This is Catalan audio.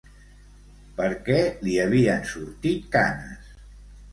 Per què li havien sortit canes?